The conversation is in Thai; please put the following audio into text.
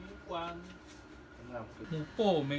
สวัสดีทุกคน